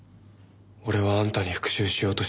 俺はあんたに復讐しようとしてたんだ。